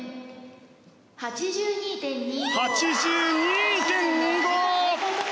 ８２．２５！